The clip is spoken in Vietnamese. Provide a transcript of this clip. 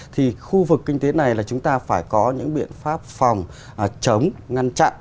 thì khu vực kinh tế này là chúng ta phải có những biện pháp phòng chống ngăn chặn